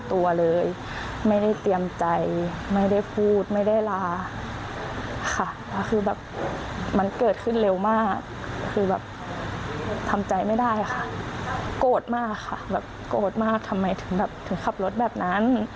แบบโกรธมากทำไมถึงขับรถแบบนั้น